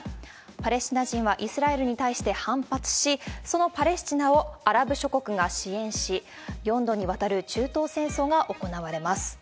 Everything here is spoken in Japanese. パレスチナ人はイスラエルに対して反発し、そのパレスチナをアラブ諸国が支援し、４度にわたる中東戦争が行われます。